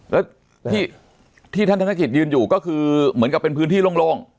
แล้วที่ท่านธนกิจยืนอยู่ก็คือเหมือนกับเป็นพื้นที่โล่ง